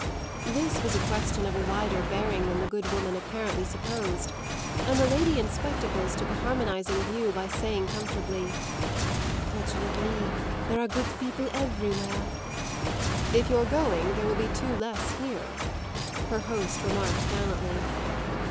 This was a question of a wider bearing than the good woman apparently supposed; and the lady in spectacles took a harmonising view by saying comfortably: "Fortunately there are good people everywhere." "If you're going there will be two less here," her host remarked gallantly.